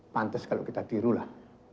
pantas kalau kita tiru lah